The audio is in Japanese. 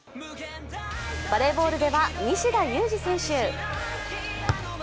バレーボールでは西田有志選手。